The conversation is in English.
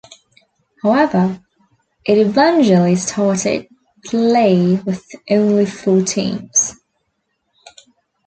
However, it eventually started play with only four teams.